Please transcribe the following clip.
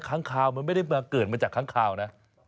ค้างคาวมันไม่ได้มาเกิดมาจากค้างคาวนะ